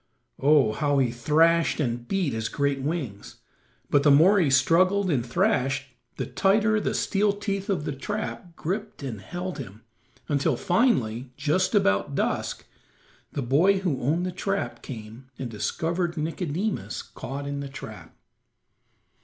Oh, how he thrashed and beat his great wings, but the more he struggled and thrashed the tighter the steel teeth of the trap gripped and held him, until finally, just about dusk, the boy who owned the trap came and discovered Nicodemus caught in the trap.